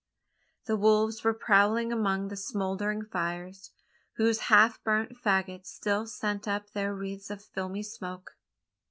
The wolves were prowling among the smouldering fires whose half burnt faggots still sent up their wreaths of filmy smoke.